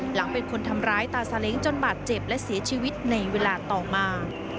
หลังเป็นคนทำร้ายตาสาเล้งจนบาดเจ็บและเสียชีวิตในเวลาต่อมา